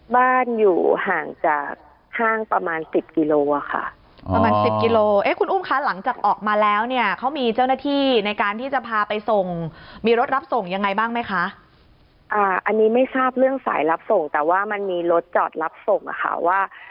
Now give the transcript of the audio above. บ้านอยู่ห่างจากห้างประมาณ๑๐กิโลค่ะ